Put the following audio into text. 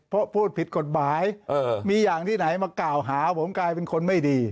เพราะพูดผิดกฎหมายมีอย่างที่ไหนมากล่าวหาผมกลายเป็นคนไม่ดี